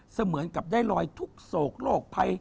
เสมือนกับได้รอยทุกศอกโลกภัย